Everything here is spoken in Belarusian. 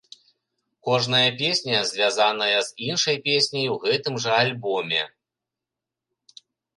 Кожная песня звязаная з іншай песняй у гэтым жа альбоме.